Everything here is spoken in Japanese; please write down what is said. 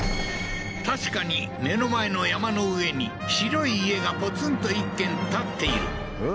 確かに目の前の山の上に白い家がポツンと一軒建っているえっ？